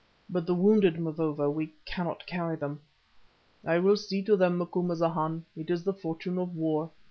"But the wounded, Mavovo; we cannot carry them." "I will see to them, Macumazana; it is the fortune of war.